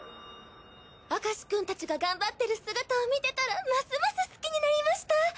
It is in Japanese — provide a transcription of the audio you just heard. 明石くんたちが頑張ってる姿を見てたらますます好きになりました。